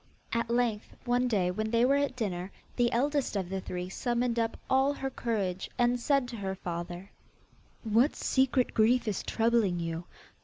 At length one day when they were at dinner, the eldest of the three summoned up all her courage and said to her father: 'What secret grief is troubling you?